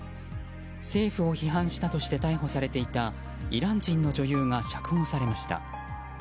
政府を批判したとして逮捕されていたイラン人の女優が釈放されました。